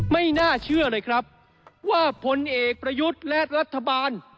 ไม่น่าเชื่อเลยครับว่าผลเอกประยุทธ์และรัฐบาล